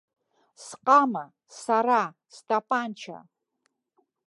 Сҟама, сара, стапанча.